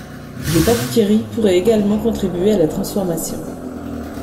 Des bactéries pourraient également contribuer à la transformation.